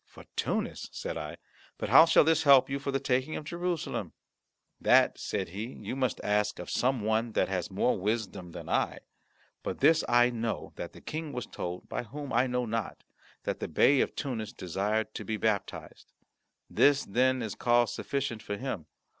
"For Tunis?" said I; "but how shall this help you for the taking of Jerusalem?" "That," said he, "you must ask of some one that has more wisdom than I. But this I know that the King was told, by whom I know not, that the Bey of Tunis desired to be baptised. This, then, is cause sufficient for him.